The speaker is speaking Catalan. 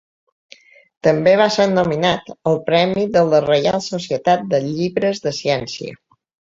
També va ser nominat al Premi de la Reial Societat de Llibres de Ciència.